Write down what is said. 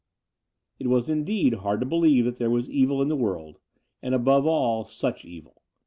It was indeed hard to believe that there was evil in the world — ^and, above aU, such evil.